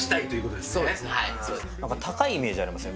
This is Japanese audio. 高いイメージありません？